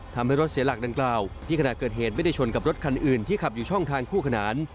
ทำให้รถเสียหลักดังกล่าวที่ขณะเกิดเหตุไม่ได้ชนกับรถคันอื่นที่ขับอยู่ช่องทางคู่ขนาน